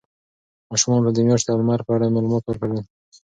ماشومانو ته د میاشتې او لمر په اړه معلومات ورکړئ.